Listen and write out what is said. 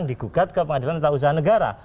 degugat ke pengadilan usaha negara